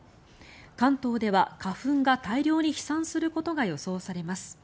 関東では花粉が大量に飛散することが予想されます。